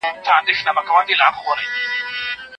د ځنګله پاچا په ځان پوري حیران وو